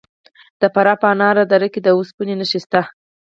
د فراه په انار دره کې د وسپنې نښې شته.